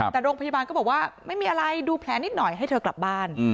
แต่โรงพยาบาลก็บอกว่าไม่มีอะไรดูแผลนิดหน่อยให้เธอกลับบ้าน